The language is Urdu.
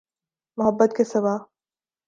محبت کے سوا۔